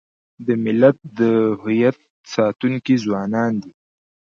د ملت د هویت ساتونکي ځوانان دي.